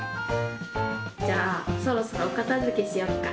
じゃあそろそろおかたづけしよっか。